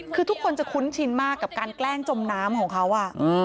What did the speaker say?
คือทุกคนจะคุ้นชินมากกับการแกล้งจมน้ำของเขา